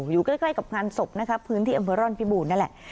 อยู่ใกล้ใกล้กับงานศพนะครับพื้นที่อัมเบอร์ร่อนพิบุนนั่นแหละ